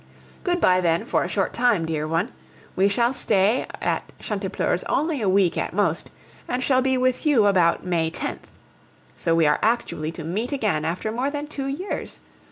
Good bye, then, for a short time, dear one. We shall stay at Chantepleurs only a week at most, and shall be with you about May 10th. So we are actually to meet again after more than two years!